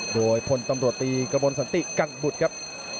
โดยพลตำรวจตีกระบวนสันติกันบุตรครับ